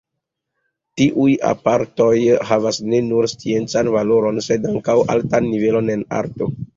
Tiuj aparatoj havas ne nur sciencan valoron, sed ankaŭ altan nivelon en arto.